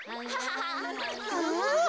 うん？